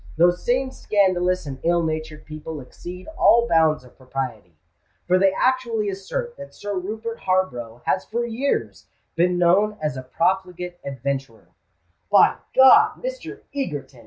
Those same scandalous and ill natured people exceed all bounds of propriety; for they actually assert that Sir Rupert Harborough has for years been known as a profligate adventurer——" "By God, Mr. Egerton!"